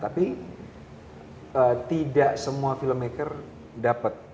tapi tidak semua filmmaker dapat